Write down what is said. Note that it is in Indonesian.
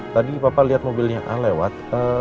tadi papa lihat mobilnya a lewat